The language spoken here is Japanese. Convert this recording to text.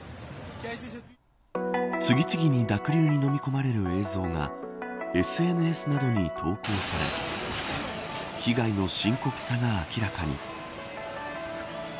次々に濁流にのみ込まれる映像がＳＮＳなどに投稿され被害の深刻さが明らかに。